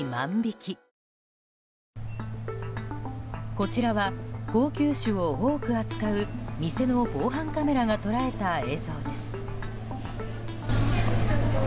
こちらは、高級酒を多く扱う店の防犯カメラが捉えた映像です。